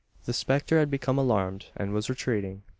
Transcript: The spectre had become alarmed, and was retreating!